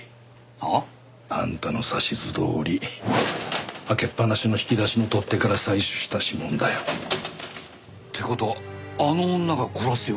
はあ？あんたの指図どおり開けっぱなしの引き出しの取っ手から採取した指紋だよ。って事はあの女が殺しを？